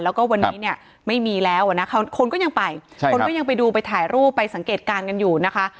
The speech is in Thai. แล้วก็วันนี้เนี่ยไม่มีแล้วอ่ะนะคนก็ยังไปคนก็ยังไปดูไปถ่ายรูปไปสังเกตการณ์กันอยู่นะคะ